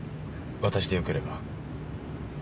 私でよければ。